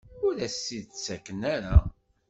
Ur as-t-id-ttaken ara?